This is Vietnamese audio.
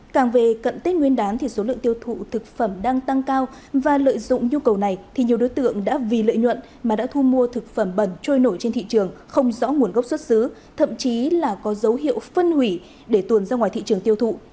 càng về cận tết nguyên đán thì số lượng tiêu thụ thực phẩm đang tăng cao và lợi dụng nhu cầu này thì nhiều đối tượng đã vì lợi nhuận mà đã thu mua thực phẩm bẩn trôi nổi trên thị trường không rõ nguồn gốc xuất xứ thậm chí là có dấu hiệu phân hủy để tuồn ra ngoài thị trường tiêu thụ